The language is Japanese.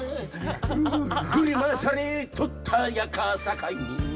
振り回されとったやさかい